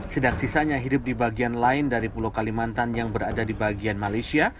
sedang sisanya hidup di bagian lain dari pulau kalimantan yang berada di bagian malaysia